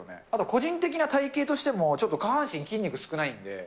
あと個人的な体形としても、ちょっと下半身、筋肉少ないんで。